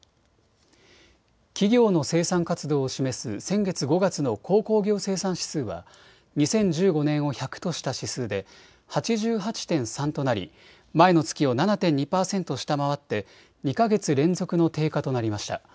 企業の生産活動を示す先月５月の鉱工業生産指数は２０１５年を１００とした指数で８８．３となり前の月を７．２％下回って２か月連続の低下となりました。